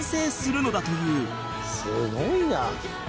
「すごいな」